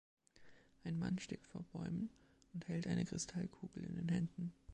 Ein Mann steht vor Bäumen und hält eine Kristallkugel in den Händen.